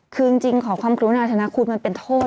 คือจริงขอความกรุณาธนาคุณมันเป็นโทษ